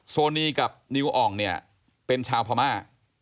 โซนีกับนิวอ่องเนี่ยเป็นชาวพม่า